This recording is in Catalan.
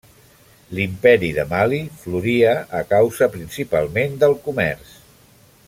L'Imperi de Mali floria a causa principalment del comerç.